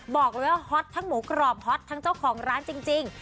บอกเลยว่าฮอตทั้งหมูกรอบฮอตทั้งเจ้าของร้านจริง